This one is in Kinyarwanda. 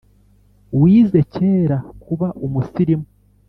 Wize kera kuba umusirimu?